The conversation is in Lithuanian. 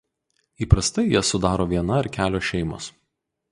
Įprastai jas sudaro viena ar kelios šeimos.